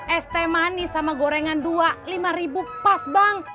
este manis sama gorengan dua lima ribu pas bang